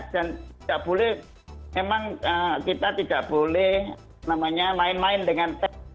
dan tidak boleh memang kita tidak boleh namanya main main dengan test